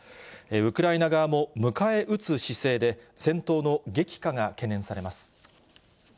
ウクライナ側も迎え撃つ姿勢で、戦闘の激化が懸念されます。